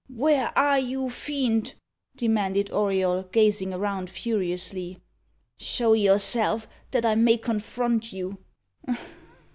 "Where are you, fiend?" demanded Auriol, gazing around furiously. "Show yourself, that I may confront you."